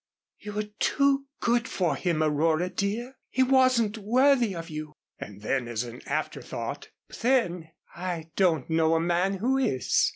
"You were too good for him, Aurora, dear. He wasn't worthy of you." And then, as an afterthought. "But then, I don't know a man who is."